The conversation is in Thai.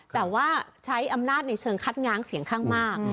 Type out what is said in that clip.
แต่ว่าใช้อำนาจในเชิงคัดง้างเสียงข้างมาก